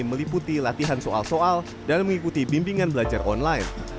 meliputi latihan soal soal dan mengikuti bimbingan belajar online